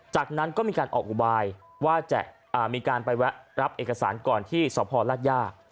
จากนั้นก็มีการออกอุบายว่าจะมีการไปแวะรับเอกสารก่อนที่สพลาดย่า